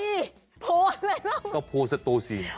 มาเป็นกระโภสตะโซน